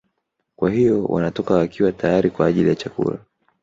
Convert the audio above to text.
Kwa hiyo wanatoka wakiwa tayari kwa ajili ya chakula